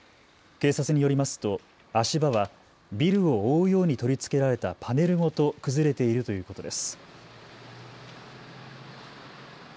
警察によりますと足場はビルを覆うように取り付けられたパネルごと崩れているということです。